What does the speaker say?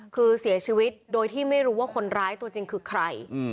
คือเสียชีวิตโดยที่ไม่รู้ว่าคนร้ายตัวจริงคือใคร